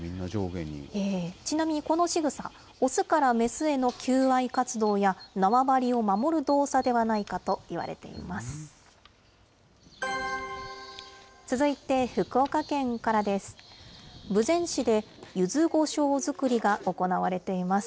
ちなみにこのしぐさ、雄から雌への求愛活動や、縄張りを守る動作ではないかといわれています。